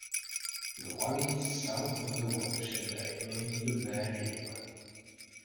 The valleys south of the watershed drain into the Bheri River.